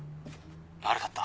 悪かった。